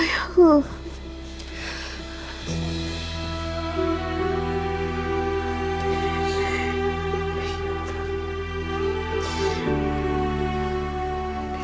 sama pak chandra